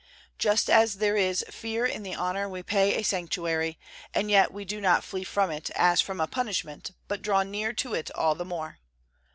Just as there is fear in the honor we pay a sanctuary, and yet we do not flee from it as from a punishment, but draw near to it all the more.